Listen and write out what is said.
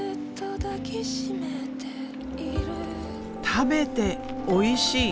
食べておいしい！